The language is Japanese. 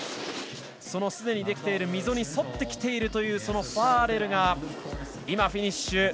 すでにできている溝に沿ってきているというファーレルがフィニッシュ。